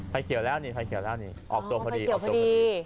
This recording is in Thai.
เขียวแล้วนี่ใครเขียวแล้วนี่ออกตัวพอดีออกตัวพอดี